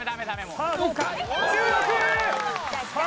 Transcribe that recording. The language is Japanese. さあどうか１６！